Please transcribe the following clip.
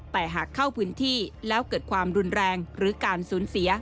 แต่หากเข้าพื้นที่แล้วเกิดความรุนแรงหรือการสูญเสีย